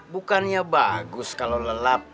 bukannya bagus kalau lelap